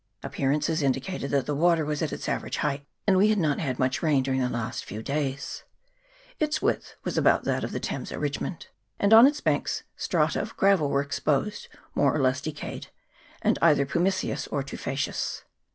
Appear ances indicated that the water was at its average height, and we had not had much rain during the last few days. Its width was about that of the Thames at Richmond, and on its banks strata of gravel were exposed more or less decayed, and either pumiceous or tufaceous.